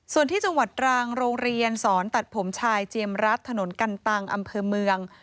ส่วนที่จังหวัดตรังโรงเรียนสอนตัดผมชายเจียมรัฐถนนกันตังอำเภอเมือง